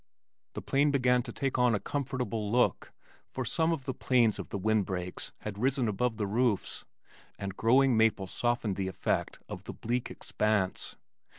The plain began to take on a comfortable look, for some of the trees of the wind breaks had risen above the roofs, and growing maples softened the effect of the bleak expanse.